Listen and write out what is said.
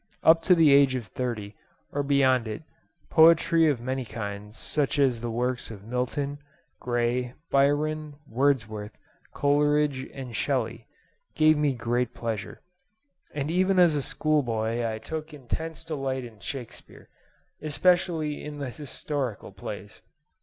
Up to the age of thirty, or beyond it, poetry of many kinds, such as the works of Milton, Gray, Byron, Wordsworth, Coleridge, and Shelley, gave me great pleasure, and even as a schoolboy I took intense delight in Shakespeare, especially in the historical plays.